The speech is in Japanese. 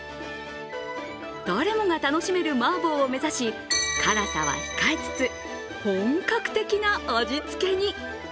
誰もが楽しめるマーボーを目指し辛さは控えつつ本格的な味付けに。